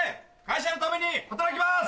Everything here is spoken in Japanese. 「会社のために働きます」。